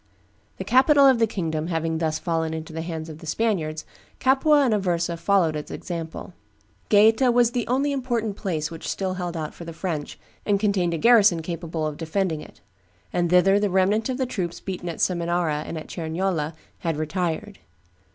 The capital of the kingdom having thus fallen into the hands of the Spaniards, Capua and Aversa followed its example. Gaeta was the only important place which still held out for the French, and contained a garrison capable of defending it; and thither the remnant of the troops beaten at Seminara and at Cerignola had retired.